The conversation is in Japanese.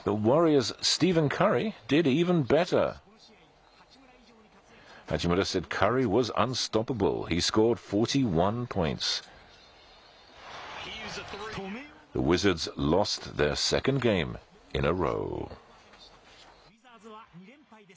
ウィザーズは２連敗です。